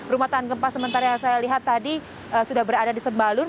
rumah tahan gempa sementara yang saya lihat tadi sudah berada di sembalur